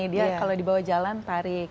dia kalau dibawa jalan tarik